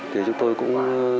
thì chúng tôi cũng